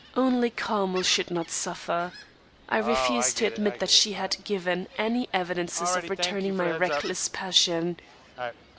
Only Carmel should not suffer. I refused to admit that she had given any evidences of returning my reckless passion.